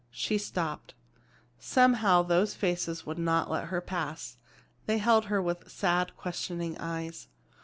She stopped. Somehow those faces would not let her pass. They held her with sad, questioning eyes.